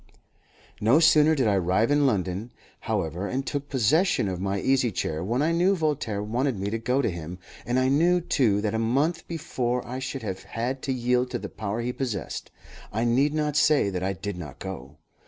No sooner did I arrive in London, however, and took possession of my easy chair than I knew Voltaire wanted me to go to him, and I knew, too, that a month before I should have had to yield to the power he possessed. I need not say that I did not go.